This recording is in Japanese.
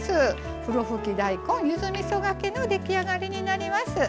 ふろふき大根ゆずみそがけの出来上がりになります。